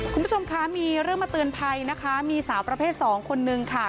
คุณผู้ชมคะมีเรื่องมาเตือนภัยนะคะมีสาวประเภทสองคนนึงค่ะ